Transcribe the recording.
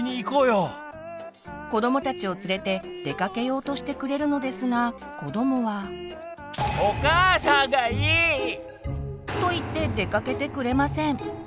子どもたちを連れて出かけようとしてくれるのですが子どもは。と言って出かけてくれません。